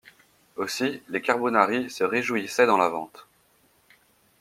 Aussi les carbonari se réjouissaient dans la Vente.